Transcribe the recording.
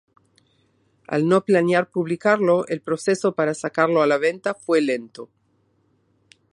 Al no planear publicarlo, el proceso para sacarlo a la venta fue lento.